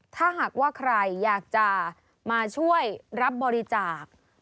ถ้าหากว่าใครอยากจะมาช่วยรับบริจาค